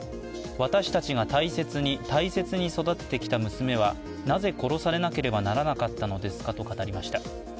私たちが大切に大切に育ててきた娘はなぜ殺されなければならなかったのですかと語りました。